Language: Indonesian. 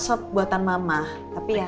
sop buatan mama tapi ya